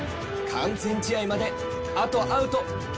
完全試合まであとアウト１つ！